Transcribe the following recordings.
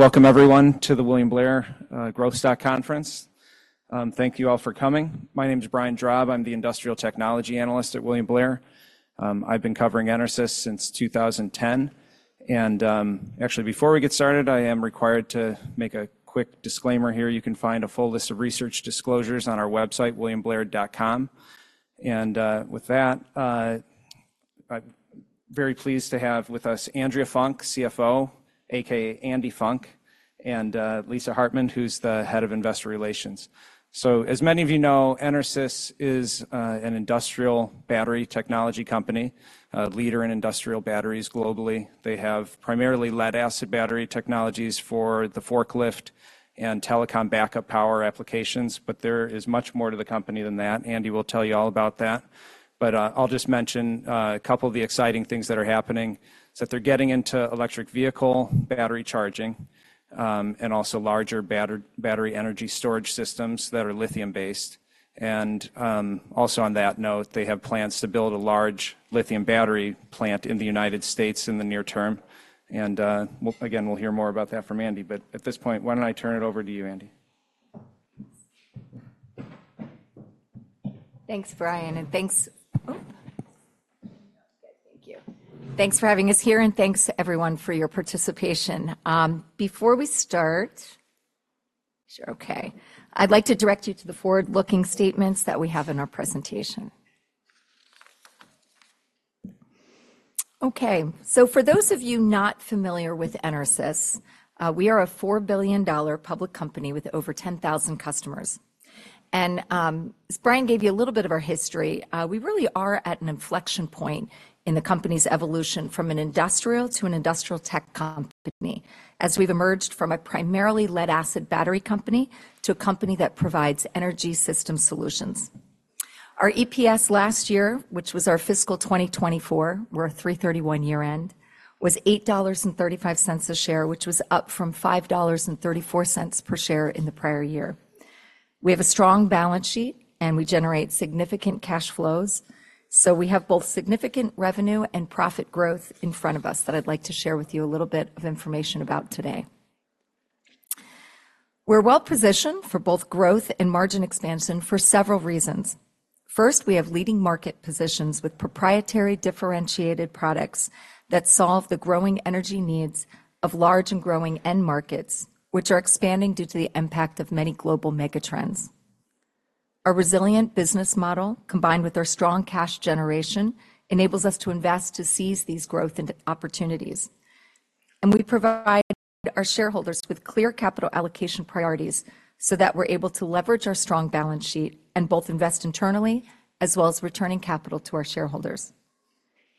Welcome everyone to the William Blair Growth Stock Conference. Thank you all for coming. My name is Brian Drab. I'm the Industrial Technology Analyst at William Blair. I've been covering EnerSys since 2010, and, actually, before we get started, I am required to make a quick disclaimer here. You can find a full list of research disclosures on our website, williamblair.com. With that, I'm very pleased to have with us Andrea Funk, CFO, aka Andy Funk, and Lisa Hartman, who's the Head of Investor Relations. So as many of you know, EnerSys is an industrial battery technology company, a leader in industrial batteries globally. They have primarily lead-acid battery technologies for the forklift and telecom backup power applications, but there is much more to the company than that. Andy will tell you all about that. But, I'll just mention a couple of the exciting things that are happening, is that they're getting into electric vehicle battery charging, and also larger battery energy storage systems that are lithium-based. And, also on that note, they have plans to build a large lithium battery plant in the United States in the near term, and, again, we'll hear more about that from Andy. But at this point, why don't I turn it over to you, Andy? Thanks, Brian, and thanks. Okay, thank you. Thanks for having us here, and thanks to everyone for your participation. Before we start, I'd like to direct you to the forward-looking statements that we have in our presentation. Okay, so for those of you not familiar with EnerSys, we are a $4 billion public company with over 10,000 customers. As Brian gave you a little bit of our history, we really are at an inflection point in the company's evolution from an industrial to an industrial tech company, as we've emerged from a primarily lead-acid battery company to a company that provides energy system solutions. Our EPS last year, which was our fiscal 2024, we're a 3/31 year end, was $8.35 a share, which was up from $5.34 per share in the prior year. We have a strong balance sheet, and we generate significant cash flows, so we have both significant revenue and profit growth in front of us that I'd like to share with you a little bit of information about today. We're well-positioned for both growth and margin expansion for several reasons. First, we have leading market positions with proprietary, differentiated products that solve the growing energy needs of large and growing end markets, which are expanding due to the impact of many global megatrends. Our resilient business model, combined with our strong cash generation, enables us to invest to seize these growth and opportunities. And we provide our shareholders with clear capital allocation priorities so that we're able to leverage our strong balance sheet and both invest internally as well as returning capital to our shareholders.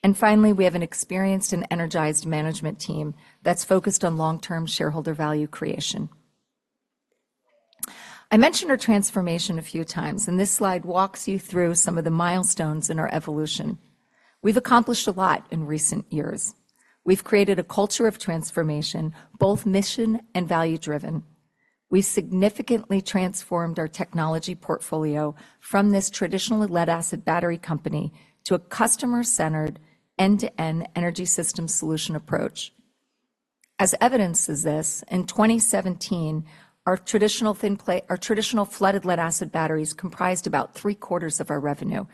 And finally, we have an experienced and energized management team that's focused on long-term shareholder value creation. I mentioned our transformation a few times, and this slide walks you through some of the milestones in our evolution. We've accomplished a lot in recent years. We've created a culture of transformation, both mission and value driven. We significantly transformed our technology portfolio from this traditional lead-acid battery company to a customer-centered, end-to-end energy system solution approach. As evidence of this, in 2017, our traditional flooded lead-acid batteries comprised about three-quarters of our revenue.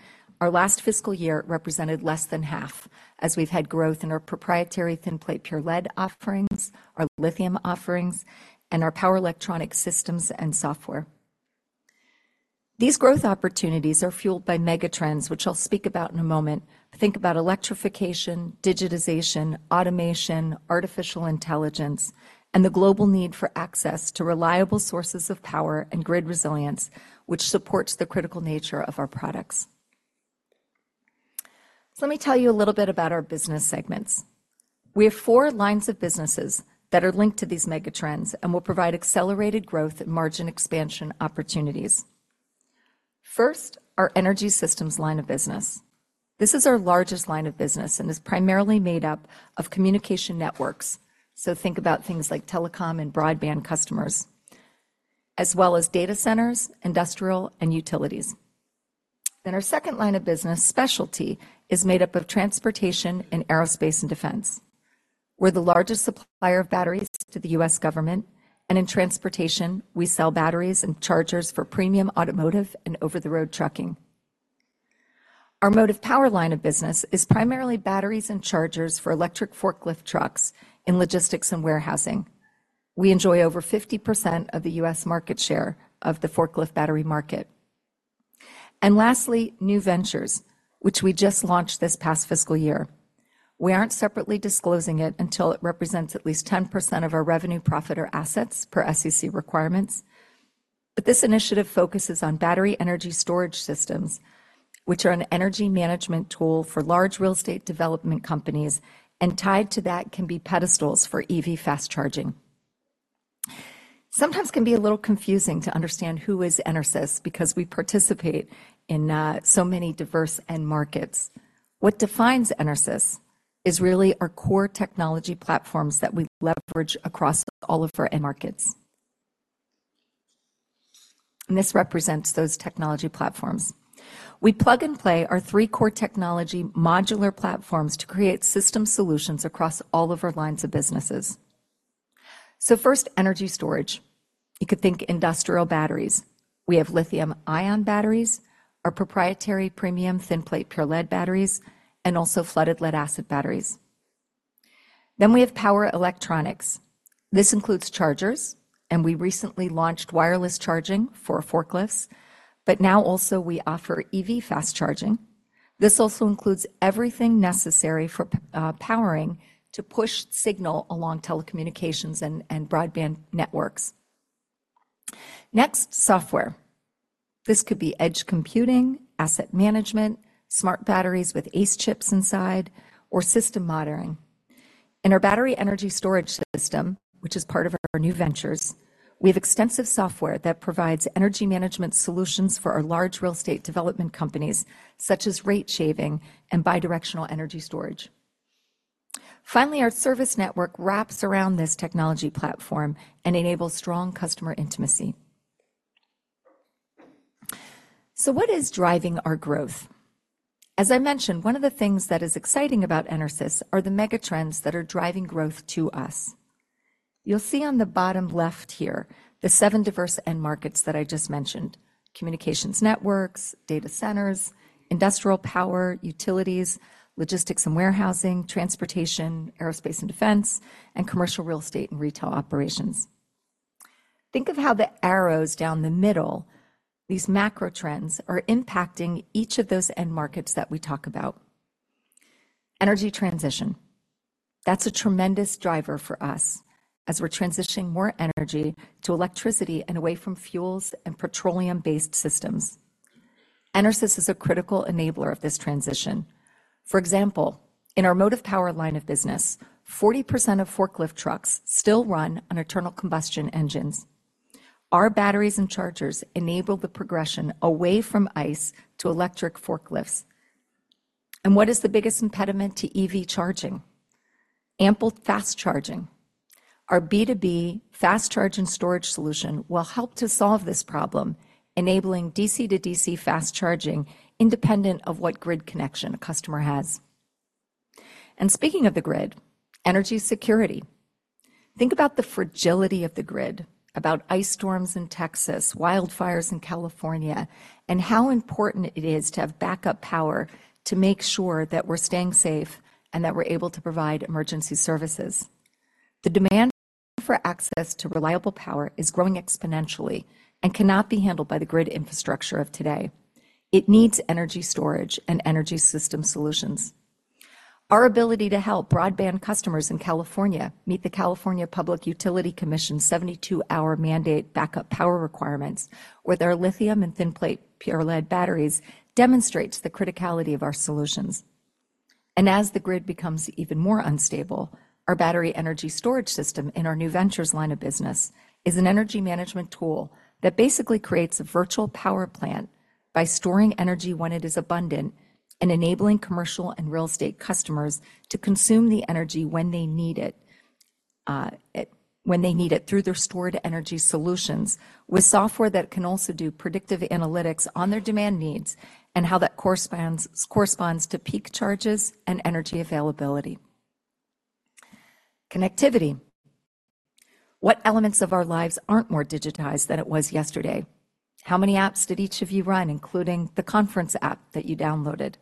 Our last fiscal year represented less than half, as we've had growth in our proprietary Thin Plate Pure Lead offerings, our lithium offerings, and our power electronic systems and software. These growth opportunities are fueled by megatrends, which I'll speak about in a moment. Think about electrification, digitization, automation, artificial intelligence, and the global need for access to reliable sources of power and grid resilience, which supports the critical nature of our products. Let me tell you a little bit about our business segments. We have four lines of businesses that are linked to these megatrends and will provide accelerated growth and margin expansion opportunities. First, our energy systems line of business. This is our largest line of business and is primarily made up of communication networks. So think about things like telecom and broadband customers, as well as data centers, industrial, and utilities. Then our second line of business, specialty, is made up of transportation and aerospace and defense. We're the largest supplier of batteries to the U.S. government, and in transportation, we sell batteries and chargers for premium automotive and over-the-road trucking. Our motive power line of business is primarily batteries and chargers for electric forklift trucks in logistics and warehousing. We enjoy over 50% of the U.S. market share of the forklift battery market. And lastly, new ventures, which we just launched this past fiscal year. We aren't separately disclosing it until it represents at least 10% of our revenue, profit, or assets per SEC requirements. But this initiative focuses on battery energy storage systems, which are an energy management tool for large real estate development companies, and tied to that can be pedestals for EV fast charging. Sometimes it can be a little confusing to understand who is EnerSys because we participate in so many diverse end markets. What defines EnerSys is really our core technology platforms that we leverage across all of our end markets, and this represents those technology platforms. We plug and play our three core technology modular platforms to create system solutions across all of our lines of businesses. So first, energy storage. You could think industrial batteries. We have lithium-ion batteries, our proprietary premium thin-plate pure lead batteries, and also flooded lead-acid batteries. Then we have power electronics. This includes chargers, and we recently launched wireless charging for forklifts, but now also we offer EV fast charging. This also includes everything necessary for powering to push signal along telecommunications and broadband networks. Next, software. This could be edge computing, asset management, smart batteries with ACE chips inside, or system monitoring. In our battery energy storage system, which is part of our new ventures, we have extensive software that provides energy management solutions for our large real estate development companies, such as rate shaving and bidirectional energy storage. Finally, our service network wraps around this technology platform and enables strong customer intimacy. So what is driving our growth? As I mentioned, one of the things that is exciting about EnerSys are the mega trends that are driving growth to us. You'll see on the bottom left here, the seven diverse end markets that I just mentioned: communications networks, data centers, industrial power, utilities, logistics and warehousing, transportation, aerospace and defense, and commercial real estate and retail operations. Think of how the arrows down the middle, these macro trends, are impacting each of those end markets that we talk about. Energy transition. That's a tremendous driver for us as we're transitioning more energy to electricity and away from fuels and petroleum-based systems. EnerSys is a critical enabler of this transition. For example, in our motive power line of business, 40% of forklift trucks still run on internal combustion engines. Our batteries and chargers enable the progression away from ICE to electric forklifts. And what is the biggest impediment to EV charging? Ample fast charging. Our B2B fast charge and storage solution will help to solve this problem, enabling DC-DC fast charging independent of what grid connection a customer has. And speaking of the grid, energy security. Think about the fragility of the grid, about ice storms in Texas, wildfires in California, and how important it is to have backup power to make sure that we're staying safe and that we're able to provide emergency services. The demand for access to reliable power is growing exponentially and cannot be handled by the grid infrastructure of today. It needs energy storage and energy system solutions. Our ability to help broadband customers in California meet the California Public Utilities Commission's 72-hour mandate backup power requirements with our lithium and thin-plate pure lead batteries demonstrates the criticality of our solutions. As the grid becomes even more unstable, our battery energy storage system in our new ventures line of business is an energy management tool that basically creates a virtual power plant by storing energy when it is abundant and enabling commercial and real estate customers to consume the energy when they need it through their stored energy solutions, with software that can also do predictive analytics on their demand needs and how that corresponds to peak charges and energy availability. Connectivity. What elements of our lives aren't more digitized than it was yesterday? How many apps did each of you run, including the conference app that you downloaded?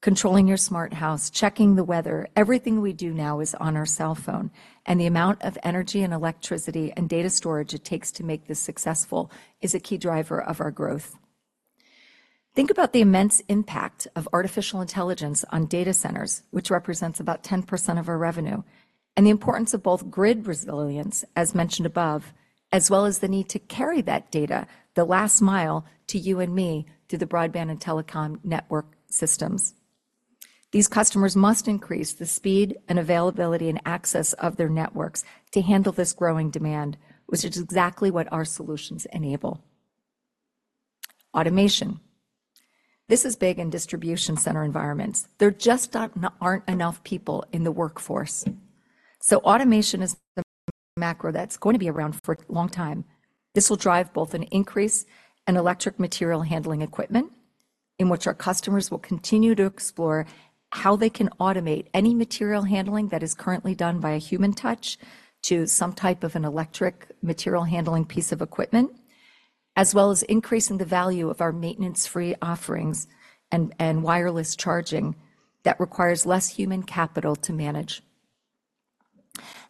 Controlling your smart house, checking the weather, everything we do now is on our cell phone, and the amount of energy and electricity and data storage it takes to make this successful is a key driver of our growth. Think about the immense impact of artificial intelligence on data centers, which represents about 10% of our revenue, and the importance of both grid resilience, as mentioned above, as well as the need to carry that data, the last mile, to you and me through the broadband and telecom network systems. These customers must increase the speed and availability and access of their networks to handle this growing demand, which is exactly what our solutions enable. Automation. This is big in distribution center environments. There just aren't enough people in the workforce, so automation is a macro that's going to be around for a long time. This will drive both an increase in electric material handling equipment, in which our customers will continue to explore how they can automate any material handling that is currently done by a human touch to some type of an electric material handling piece of equipment, as well as increasing the value of our maintenance-free offerings and, and wireless charging that requires less human capital to manage.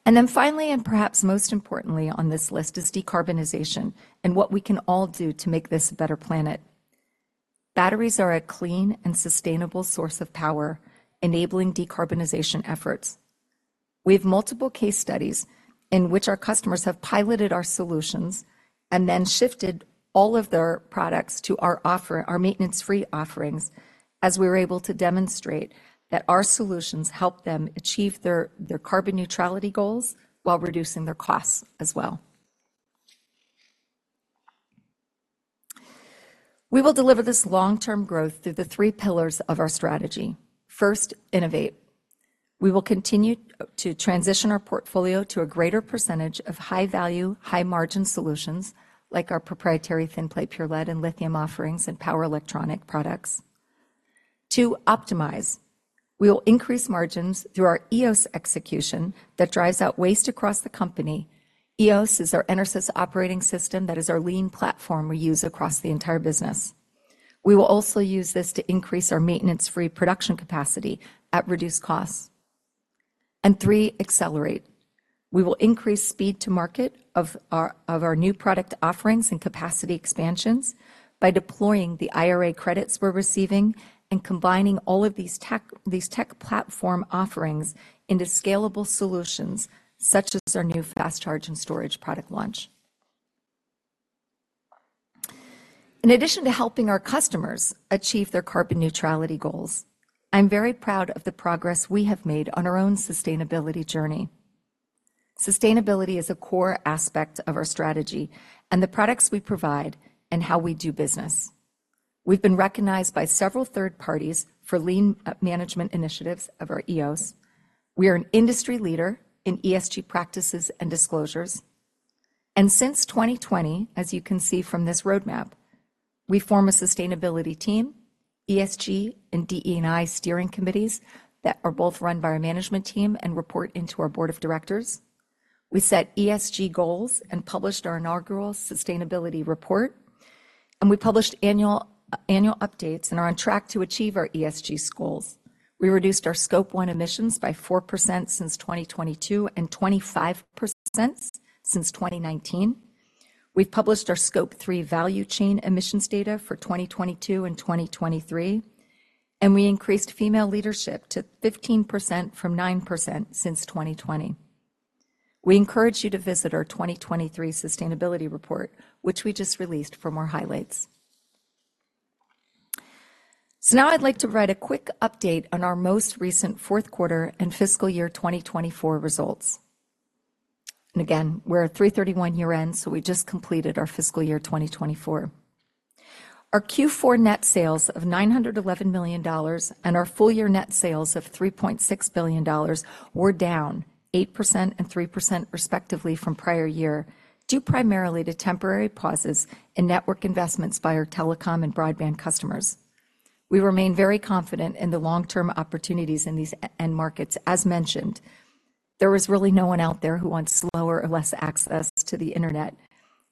Then finally, and perhaps most importantly on this list, is decarbonization and what we can all do to make this a better planet. Batteries are a clean and sustainable source of power, enabling decarbonization efforts. We have multiple case studies in which our customers have piloted our solutions and then shifted all of their products to our offer... our maintenance-free offerings, as we were able to demonstrate that our solutions help them achieve their, their carbon neutrality goals while reducing their costs as well.... We will deliver this long-term growth through the three pillars of our strategy. First, innovate. We will continue to transition our portfolio to a greater percentage of high-value, high-margin solutions, like our proprietary Thin Plate Pure Lead and lithium offerings, and power electronic products. Two, optimize. We will increase margins through our EOS execution that drives out waste across the company. EOS is our EnerSys Operating System, that is our lean platform we use across the entire business. We will also use this to increase our maintenance-free production capacity at reduced costs. And three, accelerate. We will increase speed to market of our new product offerings and capacity expansions by deploying the IRA credits we're receiving and combining all of these tech platform offerings into scalable solutions, such as our new fast charge and storage product launch. In addition to helping our customers achieve their carbon neutrality goals, I'm very proud of the progress we have made on our own sustainability journey. Sustainability is a core aspect of our strategy and the products we provide and how we do business. We've been recognized by several third parties for lean management initiatives of our EOS. We are an industry leader in ESG practices and disclosures, and since 2020, as you can see from this roadmap, we form a sustainability team, ESG and DE&I steering committees that are both run by our management team and report into our board of directors. We set ESG goals and published our inaugural sustainability report, and we published annual updates and are on track to achieve our ESG goals. We reduced our Scope 1 emissions by 4% since 2022 and 25% since 2019. We've published our Scope 3 value chain emissions data for 2022 and 2023, and we increased female leadership to 15% from 9% since 2020. We encourage you to visit our 2023 sustainability report, which we just released, for more highlights. So now I'd like to provide a quick update on our most recent fourth quarter and fiscal year 2024 results. Again, we're a 3/31 year-end, so we just completed our fiscal year 2024. Our Q4 net sales of $911 million and our full-year net sales of $3.6 billion were down 8% and 3% respectively from prior year, due primarily to temporary pauses in network investments by our telecom and broadband customers. We remain very confident in the long-term opportunities in these end markets. As mentioned, there is really no one out there who wants slower or less access to the internet,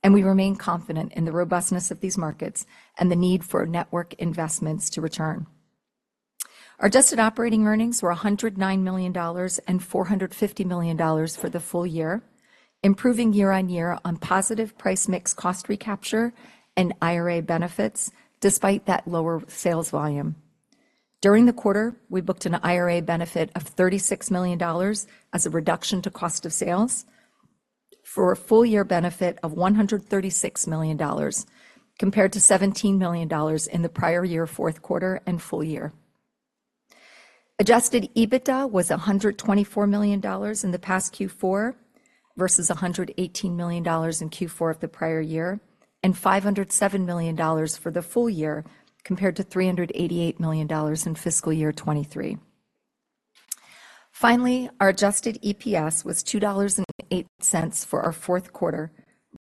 and we remain confident in the robustness of these markets and the need for network investments to return. Our adjusted operating earnings were $109 million and $450 million for the full year, improving year-on-year on positive price mix cost recapture and IRA benefits, despite that lower sales volume. During the quarter, we booked an IRA benefit of $36 million as a reduction to cost of sales, for a full-year benefit of $136 million, compared to $17 million in the prior year, fourth quarter, and full year. Adjusted EBITDA was $124 million in the past Q4, versus $118 million in Q4 of the prior year, and $507 million for the full year, compared to $388 million in fiscal year 2023. Finally, our adjusted EPS was $2.08 for our fourth quarter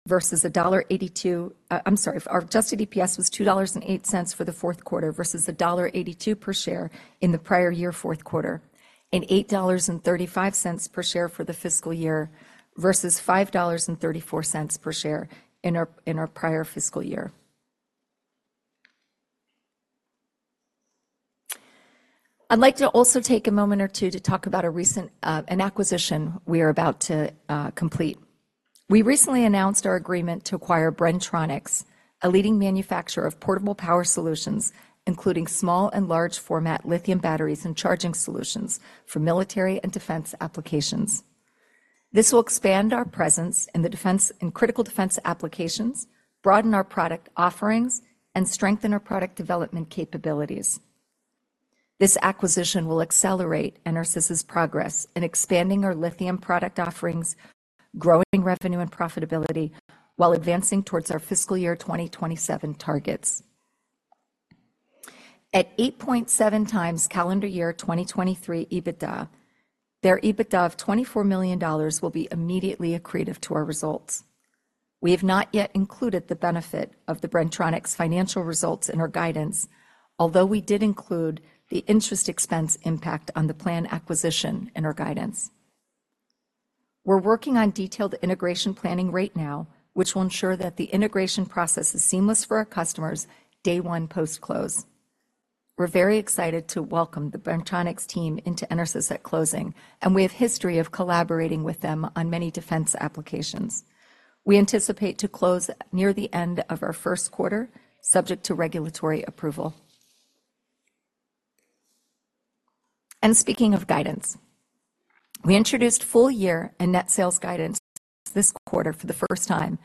versus a dollar eighty-two... I'm sorry, our adjusted EPS was $2.08 for the fourth quarter versus $1.82 per share in the prior year fourth quarter, and $8.35 per share for the fiscal year versus $5.34 per share in our prior fiscal year. I'd like to also take a moment or two to talk about a recent acquisition we are about to complete. We recently announced our agreement to acquire Bren-Tronics, a leading manufacturer of portable power solutions, including small and large format lithium batteries and charging solutions for military and defense applications. This will expand our presence in critical defense applications, broaden our product offerings, and strengthen our product development capabilities. This acquisition will accelerate EnerSys' progress in expanding our lithium product offerings, growing revenue and profitability, while advancing towards our fiscal year 2027 targets. At 8.7 times calendar year 2023 EBITDA, their EBITDA of $24 million will be immediately accretive to our results. We have not yet included the benefit of the Bren-Tronics financial results in our guidance, although we did include the interest expense impact on the planned acquisition in our guidance. We're working on detailed integration planning right now, which will ensure that the integration process is seamless for our customers day one post-close. We're very excited to welcome the Bren-Tronics team into EnerSys at closing, and we have history of collaborating with them on many defense applications. We anticipate to close near the end of our first quarter, subject to regulatory approval. Speaking of guidance, we introduced full year and net sales guidance this quarter for the first time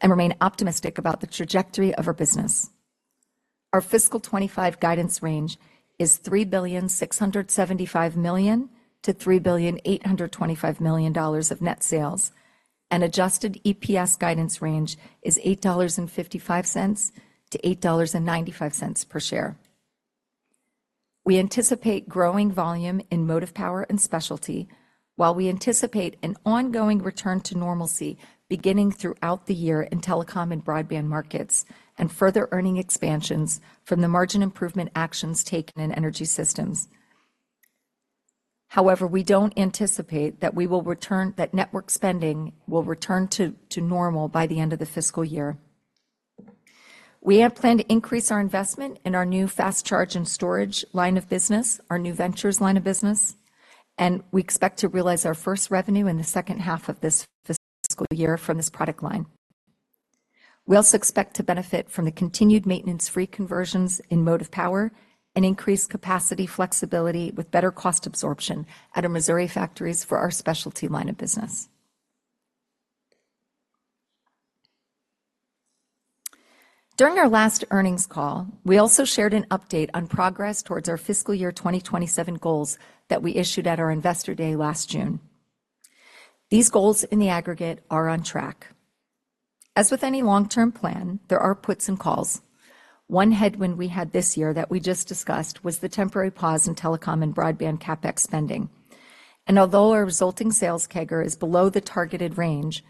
and remain optimistic about the trajectory of our business. Our fiscal 2025 guidance range is $3.675 billion-$3.825 billion of net sales, and adjusted EPS guidance range is $8.55-$8.95 per share. We anticipate growing volume in motive power and specialty, while we anticipate an ongoing return to normalcy beginning throughout the year in telecom and broadband markets, and further earning expansions from the margin improvement actions taken in energy systems. However, we don't anticipate that network spending will return to normal by the end of the fiscal year. We have planned to increase our investment in our new Fast Charge and Storage line of business, our new ventures line of business, and we expect to realize our first revenue in the second half of this fiscal year from this product line. We also expect to benefit from the continued maintenance-free conversions in motive power and increased capacity flexibility with better cost absorption at our Missouri factories for our specialty line of business. During our last earnings call, we also shared an update on progress towards our fiscal year 2027 goals that we issued at our Investor Day last June. These goals in the aggregate are on track. As with any long-term plan, there are puts and takes. One headwind we had this year that we just discussed was the temporary pause in telecom and broadband CapEx spending. Although our resulting sales CAGR is below the targeted range,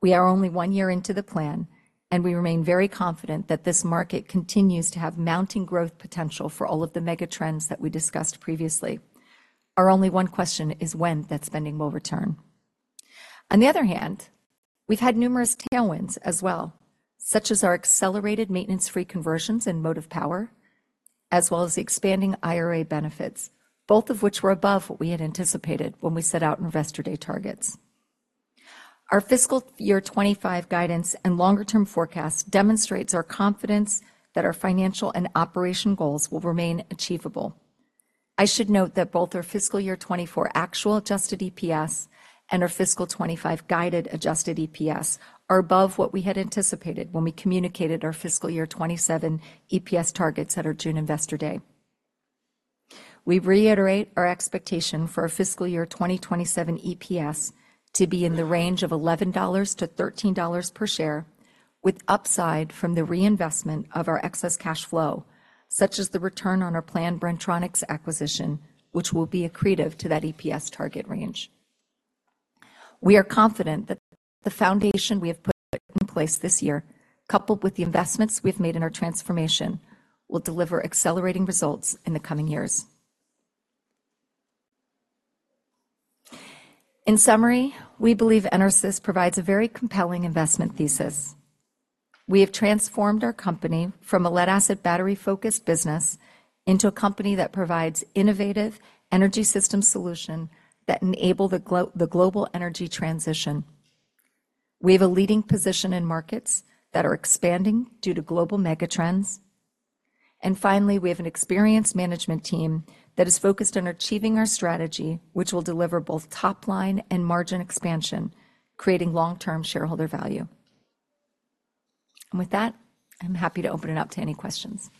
we are only one year into the plan, and we remain very confident that this market continues to have mounting growth potential for all of the mega trends that we discussed previously. Our only one question is when that spending will return. On the other hand, we've had numerous tailwinds as well, such as our accelerated maintenance-free conversions in motive power, as well as the expanding IRA benefits, both of which were above what we had anticipated when we set our Investor Day targets. Our fiscal year 2025 guidance and longer-term forecast demonstrates our confidence that our financial and operational goals will remain achievable. I should note that both our fiscal year 2024 actual adjusted EPS and our fiscal 2025 guided adjusted EPS are above what we had anticipated when we communicated our fiscal year 2027 EPS targets at our June Investor Day. We reiterate our expectation for our fiscal year 2027 EPS to be in the range of $11-$13 per share, with upside from the reinvestment of our excess cash flow, such as the return on our planned Bren-Tronics acquisition, which will be accretive to that EPS target range. We are confident that the foundation we have put in place this year, coupled with the investments we've made in our transformation, will deliver accelerating results in the coming years. In summary, we believe EnerSys provides a very compelling investment thesis. We have transformed our company from a Lead-Acid battery-focused business into a company that provides innovative energy system solution that enable the global energy transition. We have a leading position in markets that are expanding due to global mega trends. And finally, we have an experienced management team that is focused on achieving our strategy, which will deliver both top line and margin expansion, creating long-term shareholder value. And with that, I'm happy to open it up to any questions.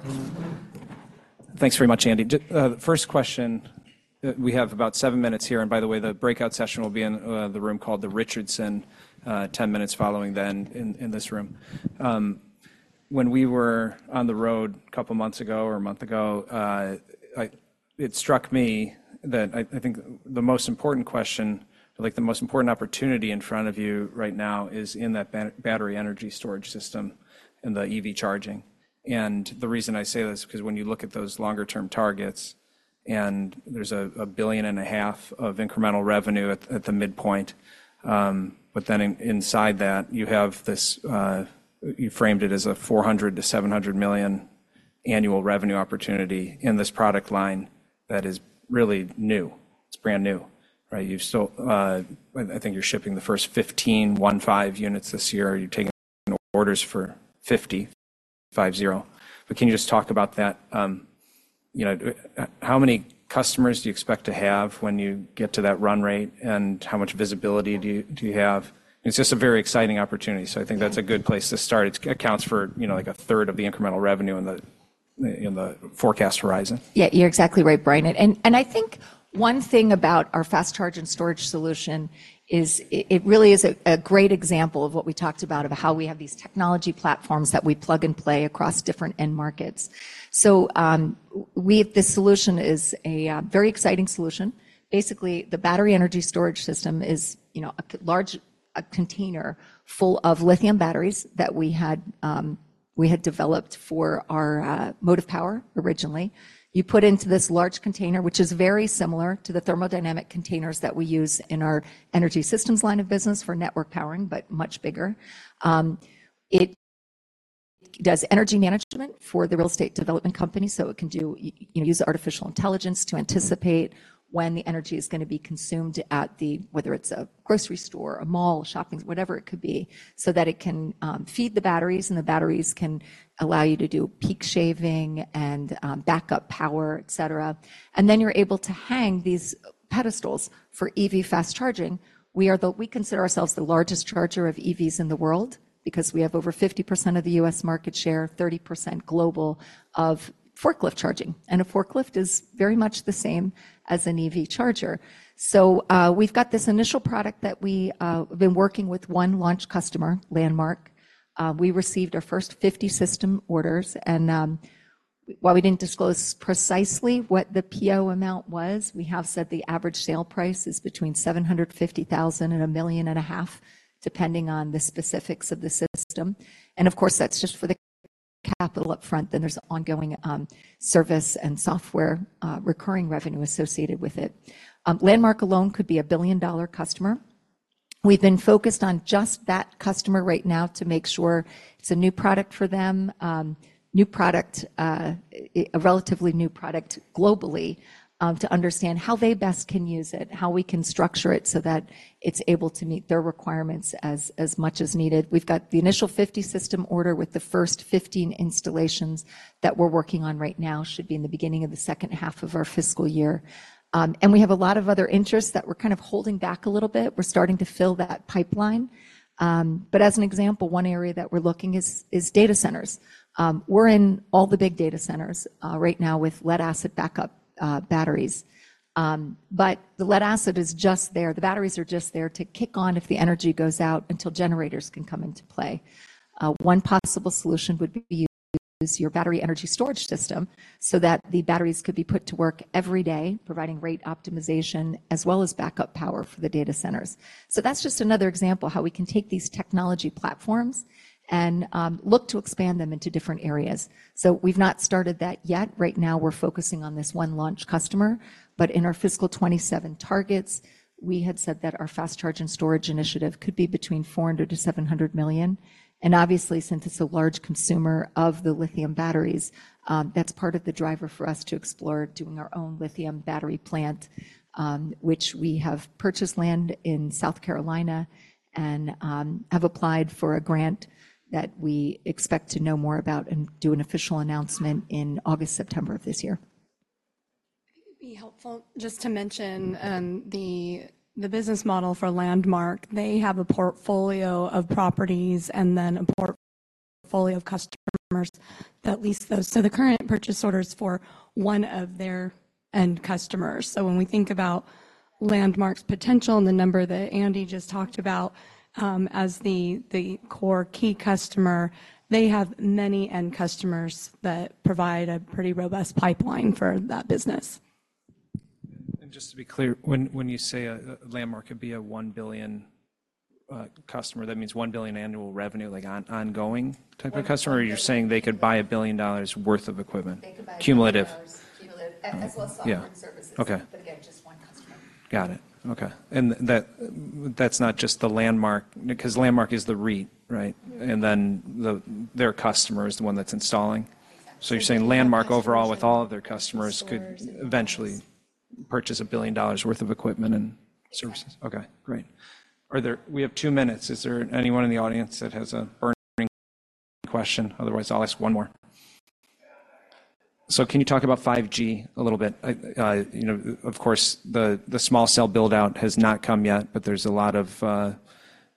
I should have asked you for a microphone up here. I'll ask the first question. You don't need microphone. Sure. Use this microphone. Thanks very much, Andy. First question, we have about 7 minutes here, and by the way, the breakout session will be in the room called the Richardson 10 minutes following, then in this room. When we were on the road a couple of months ago or a month ago, it struck me that I think the most important question, like the most important opportunity in front of you right now, is in that battery energy storage system and the EV charging. And the reason I say this, 'cause when you look at those longer-term targets, and there's $1.5 billion of incremental revenue at the midpoint, but then inside that, you have this, you framed it as a $400 million-$700 million annual revenue opportunity in this product line that is really new. It's brand new, right? You've still, I think you're shipping the first 15 units this year. You're taking orders for 50. But can you just talk about that, you know, how many customers do you expect to have when you get to that run rate, and how much visibility do you have? It's just a very exciting opportunity, so I think that's a good place to start. It accounts for, you know, like a third of the incremental revenue in the forecast horizon. Yeah, you're exactly right, Brian. And, and I think one thing about our fast charge and storage solution is it, it really is a, a great example of what we talked about, of how we have these technology platforms that we plug and play across different end markets. So, this solution is a very exciting solution. Basically, the battery energy storage system is, you know, a large container full of lithium batteries that we had, we had developed for our, motive power originally. You put into this large container, which is very similar to the telecom containers that we use in our energy systems line of business for network powering, but much bigger. It does energy management for the real estate development company, so it can do, you know, use artificial intelligence to anticipate- Mm-hmm. When the energy is going to be consumed at the... whether it's a grocery store, a mall, shopping, whatever it could be, so that it can feed the batteries, and the batteries can allow you to do peak shaving and backup power, et cetera. And then you're able to hang these pedestals for EV fast charging. We consider ourselves the largest charger of EVs in the world because we have over 50% of the U.S. market share, 30% global, of forklift charging, and a forklift is very much the same as an EV charger. So, we've got this initial product that we have been working with one launch customer, Landmark. We received our first 50 system orders, and while we didn't disclose precisely what the PO amount was, we have said the average sale price is between $750,000 and $1.5 million, depending on the specifics of the system. And of course, that's just for the capital upfront, then there's ongoing service and software recurring revenue associated with it. Landmark alone could be a billion-dollar customer. We've been focused on just that customer right now to make sure it's a new product for them, a relatively new product globally, to understand how they best can use it, how we can structure it so that it's able to meet their requirements as much as needed. We've got the initial 50-system order, with the first 15 installations that we're working on right now, should be in the beginning of the second half of our fiscal year. And we have a lot of other interests that we're kind of holding back a little bit. We're starting to fill that pipeline. But as an example, one area that we're looking is data centers. We're in all the big data centers right now with Lead-Acid backup batteries. But the Lead-Acid is just there, the batteries are just there to kick on if the energy goes out until generators can come into play. One possible solution would be to use your battery energy storage system so that the batteries could be put to work every day, providing rate optimization as well as backup power for the data centers. So that's just another example how we can take these technology platforms and, look to expand them into different areas. So we've not started that yet. Right now, we're focusing on this one launch customer, but in our fiscal 2027 targets, we had said that our Fast Charge and Storage initiative could be between $400 million-$700 million. And obviously, since it's a large consumer of the lithium batteries, that's part of the driver for us to explore doing our own lithium battery plant, which we have purchased land in South Carolina and, have applied for a grant that we expect to know more about and do an official announcement in August, September of this year. It'd be helpful just to mention the business model for Landmark. They have a portfolio of properties and then a portfolio of customers that lease those. So the current purchase order is for one of their end customers. So when we think about Landmark's potential and the number that Andy just talked about, as the core key customer, they have many end customers that provide a pretty robust pipeline for that business. Just to be clear, when you say a Landmark could be a $1 billion customer, that means $1 billion annual revenue, like ongoing type of customer? One billion- Or you're saying they could buy $1 billion worth of equipment- They could buy $1 billion-... cumulative. Cumulative, as well as software and services. Yeah. Okay. But again, just one customer. Got it. Okay. And that, that's not just the Landmark, because Landmark is the REIT, right? Mm-hmm. And then their customer is the one that's installing. Exactly. So you're saying Landmark overall, with all of their customers, could- Stores... eventually purchase $1 billion worth of equipment and services? Yeah. Okay, great. We have two minutes. Is there anyone in the audience that has a burning question? Otherwise, I'll ask one more. So can you talk about 5G a little bit? You know, of course, the small cell build-out has not come yet, but there's a lot of,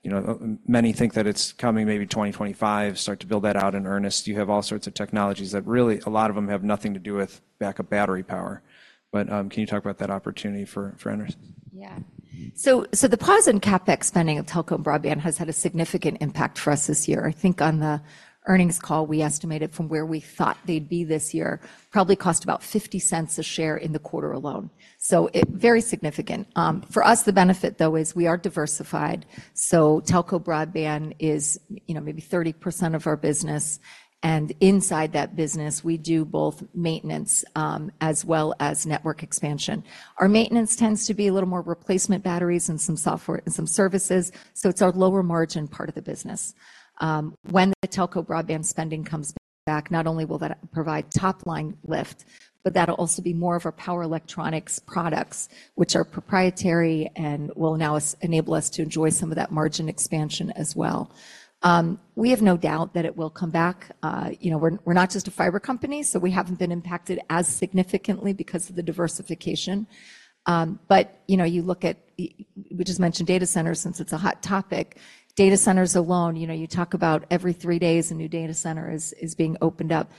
you know, many think that it's coming maybe 2025, start to build that out in earnest. You have all sorts of technologies that really, a lot of them have nothing to do with backup battery power. But, can you talk about that opportunity for EnerSys? Yeah. So, so the pause in CapEx spending of telco and broadband has had a significant impact for us this year. I think on the earnings call, we estimated from where we thought they'd be this year, probably cost about $0.50 a share in the quarter alone. So it, very significant. For us, the benefit, though, is we are diversified. So telco broadband is, you know, maybe 30% of our business, and inside that business, we do both maintenance, as well as network expansion. Our maintenance tends to be a little more replacement batteries and some software and some services, so it's our lower margin part of the business. When the telco broadband spending comes back, not only will that provide top-line lift, but that'll also be more of our power electronics products, which are proprietary and will now enable us to enjoy some of that margin expansion as well. We have no doubt that it will come back. You know, we're not just a fiber company, so we haven't been impacted as significantly because of the diversification. But you know, you look at... We just mentioned data centers, since it's a hot topic. Data centers alone, you know, you talk about every three days, a new data center is being opened up.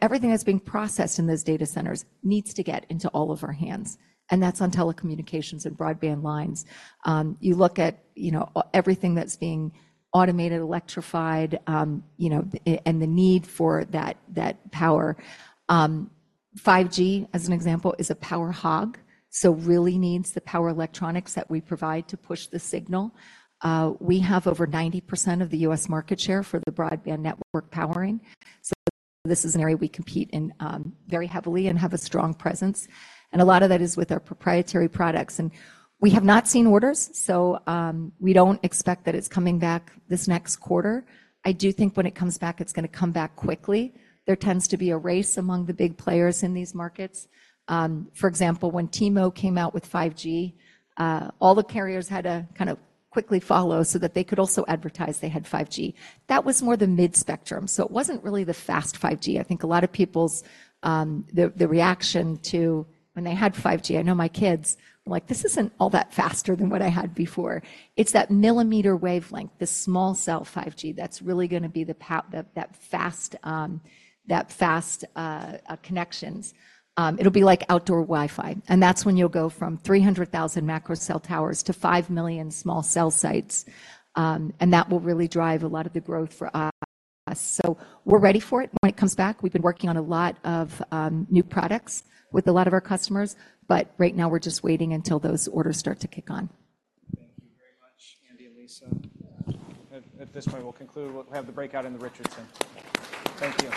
Everything that's being processed in those data centers needs to get into all of our hands, and that's on telecommunications and broadband lines. You look at, you know, everything that's being automated, electrified, you know, and the need for that, that power. 5G, as an example, is a power hog, so really needs the power electronics that we provide to push the signal. We have over 90% of the U.S. market share for the broadband network powering, so this is an area we compete in, very heavily and have a strong presence, and a lot of that is with our proprietary products. And we have not seen orders, so, we don't expect that it's coming back this next quarter. I do think when it comes back, it's going to come back quickly. There tends to be a race among the big players in these markets. For example, when T-Mobile came out with 5G, all the carriers had to kind of quickly follow so that they could also advertise they had 5G. That was more the mid-spectrum, so it wasn't really the fast 5G. I think a lot of people's the reaction to when they had 5G... I know my kids were like: "This isn't all that faster than what I had before." It's that millimeter wavelength, the small cell 5G, that's really going to be the that, that fast, that fast connections. It'll be like outdoor Wi-Fi, and that's when you'll go from 300,000 macro cell towers to 5 million small cell sites. And that will really drive a lot of the growth for us. So we're ready for it when it comes back. We've been working on a lot of, new products with a lot of our customers, but right now, we're just waiting until those orders start to kick on. Thank you very much, Andy and Lisa. At this point, we'll conclude. We'll have the breakout in the Richardson. Thank you.